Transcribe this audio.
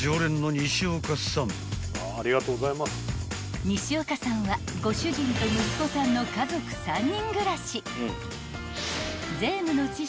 ［ニシオカさんはご主人と息子さんの家族３人暮らし］